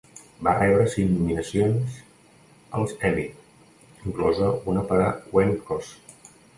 Va rebre cinc nominacions als Emmy, inclosa una per a Wendkos.